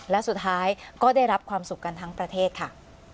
และสุดท้ายก็ได้รับความสุขกันทั้งประเทศค่ะ